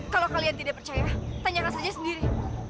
kalau kalian tidak percaya tanyakan saja sendiri